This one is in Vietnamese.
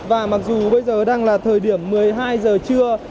và mặc dù bây giờ đang là thời điểm một mươi hai giờ trưa